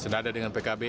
senada dengan pkb